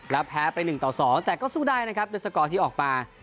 แล้วแพ้ไป๑ต่อ๒แต่ก็สู้ได้นะครับด้วยสกอร์ที่ออกมา